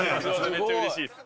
めっちゃ嬉しいです。